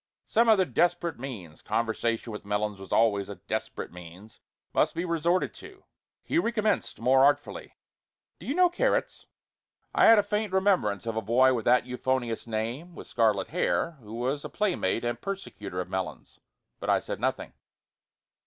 Some other desperate means conversation with Melons was always a desperate means must be resorted to. He recommenced more artfully: "Do you know Carrots?" I had a faint remembrance of a boy of that euphonious name, with scarlet hair, who was a playmate and persecutor of Melons. But I said nothing.